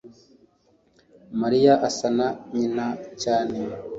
mariya asa na nyina cyane